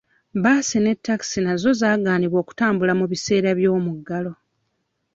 Bbaasi ne ttakisi nazo zaagaanibwa okutambula mu biseera by'omuggalo.